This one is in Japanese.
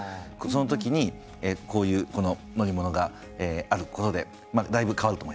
その時にこういうこの乗り物があることでだいぶ変わると思いますね。